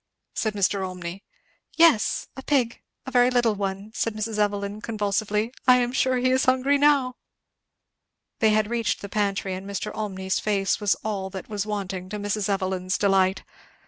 said Mr. Olmney. "Yes a pig a very little one," said Mrs. Evelyn convulsively. "I am sure he is hungry now! " They had reached the pantry, and Mr. Olmney's face was all that was wanting to Mrs. Evelyn's delight.